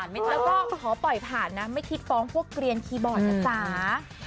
แล้วก็ขอปล่อยผ่านนะไม่คิดฟ้องพวกเกลียนคีย์บอร์ดนะจ๊ะ